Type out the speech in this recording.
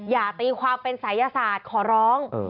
อย่าตีความเป็นศัยศาสตร์ขอร้อง